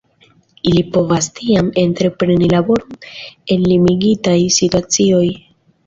Ili povas tiam entrepreni laboron en limigitaj situacioj.